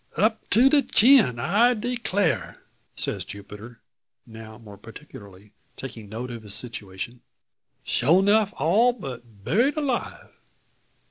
"Up to de chin I declar'!" says Jupiter, now more particularly taking note of his situation, "Sure enough, all but buried 'live.